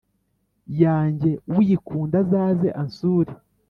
yanjye uyikunda azaze ansure